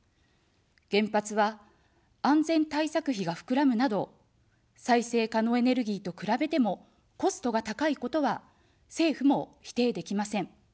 原発は安全対策費がふくらむなど、再生可能エネルギーと比べてもコストが高いことは政府も否定できません。